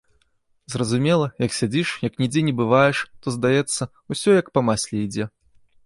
Зразумела, як сядзіш, як нідзе не бываеш, то здаецца, усё як па масле ідзе.